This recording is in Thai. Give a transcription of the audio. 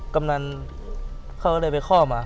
กำนันเขาเลยไปข้อมา